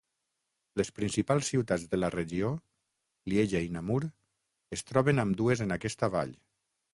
Les principals ciutats de la regió, Lieja i Namur, es troben ambdues en aquesta vall.